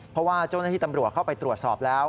เพราะว่าเจ้าหน้าที่ตำรวจเข้าไปตรวจสอบแล้ว